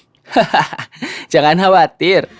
hahaha jangan khawatir